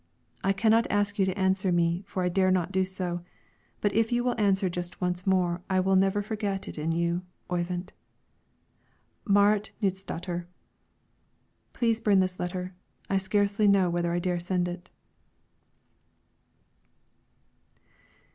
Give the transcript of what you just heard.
I cannot ask you to answer me, for I dare not do so. But if you will answer just once more I will never forget it in you, Oyvind. MARIT KNUDSDATTER. Please burn this letter; I scarcely know whether I dare send it.